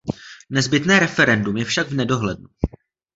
Nezbytné referendum je však v nedohlednu.